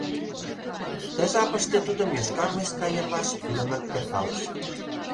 Ты жапыште тудым йошкар войска йырваш кӱлынак перкалыш.